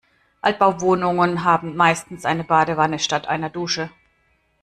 Altbauwohnungen haben meistens eine Badewanne statt einer Dusche.